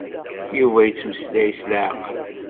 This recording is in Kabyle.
Yuba yettmeslay s leɛqel.